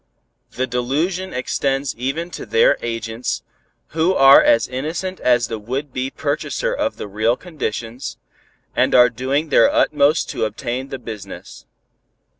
The delusion extends even to their agents, who are as innocent as the would be purchaser of the real conditions, and are doing their utmost to obtain the business.